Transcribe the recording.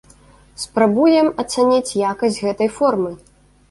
Спрабуем ацаніць якасць гэтай формы.